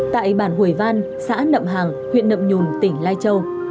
tại bản hủy van xã nậm hàng huyện nậm nhùn tỉnh lai châu